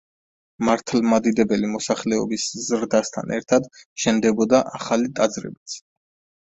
მართლმადიდებელი მოსახლეობის ზრდასთან ერთად შენდებოდა ახალი ტაძრებიც.